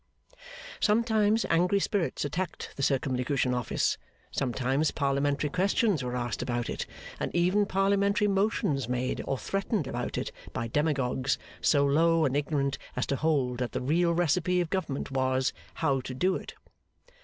Sometimes, angry spirits attacked the Circumlocution Office. Sometimes, parliamentary questions were asked about it, and even parliamentary motions made or threatened about it by demagogues so low and ignorant as to hold that the real recipe of government was, How to do it.